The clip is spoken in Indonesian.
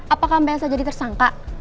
apakah mbak elsa jadi tersangka